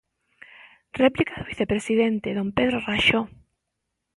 Réplica do vicepresidente, don Pedro Raxó.